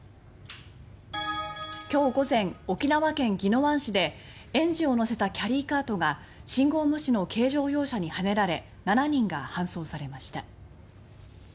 今日午前沖縄県宜野湾市で園児を乗せたキャリーカートが信号無視の軽乗用車にはねられ７人が搬送されました。